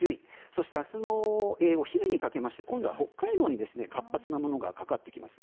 そして明日のお昼にかけまして今度は北海道に活発な雨雲がかかってきます。